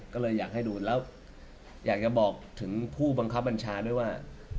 ก็เลยอยากให้ดูแล้วอยากจะบอกถึงผู้บังคับบัญชาด้วยว่า